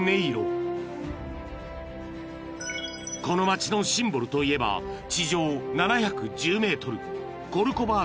［この町のシンボルといえば地上７１０ｍ］